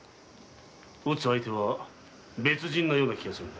討つ相手は別人のような気がする。